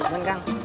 masa ini pak saum